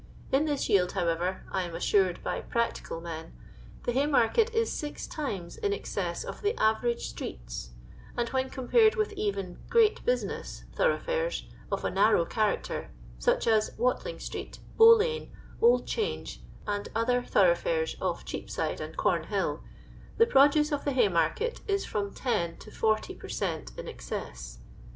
In this yield, how ever, I am assured by practical men, the Hay market is six times in excess of the average streets ; and when compared with even " great business" thoroughfares, of a narrow chanicter, such as Watling street, Bow lane, Old change, and other thoroughfares ofif Cheapside and Comhill, the produce of the Haymarket is from 10 to 40 per cent in excess.